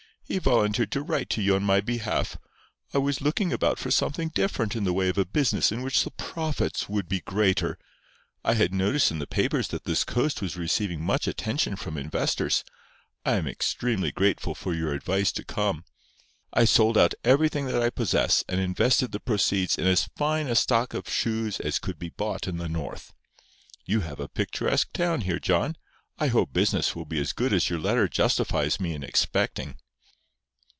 He volunteered to write to you on my behalf. I was looking about for something different in the way of a business in which the profits would be greater. I had noticed in the papers that this coast was receiving much attention from investors. I am extremely grateful for your advice to come. I sold out everything that I possess, and invested the proceeds in as fine a stock of shoes as could be bought in the North. You have a picturesque town here, John. I hope business will be as good as your letter justifies me in expecting."